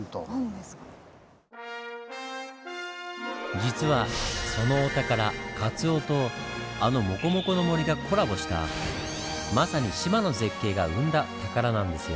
実はそのお宝カツオとあのモコモコの森がコラボしたまさに志摩の絶景が生んだ宝なんですよ。